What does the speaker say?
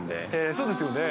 そうですよね。